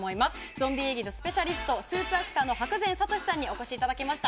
ゾンビ演技のスペシャリストスーツアクターの白善哲さんにお越しいただきました。